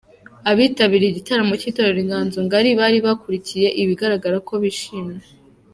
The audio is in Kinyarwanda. Abitabiriye igitaramo cy'itorero Inganzo Ngari bari bakurikiye bigaragara ko bishimye.